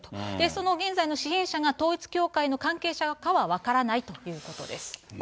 その現在の支援者が、統一教会の関係者かは分からないということです。